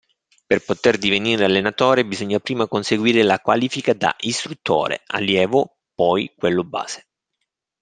Per poter divenire allenatore bisogna prima conseguire la qualifica da istruttore (allievo, poi quello base).